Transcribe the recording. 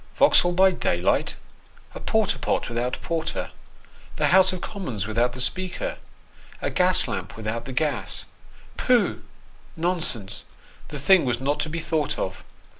Vauxhall by daylight ! A porter pot with out porter, the House of Commons without the Speaker, a gas lamp without the gas pooh, nonsense, the thing was not to be thought of.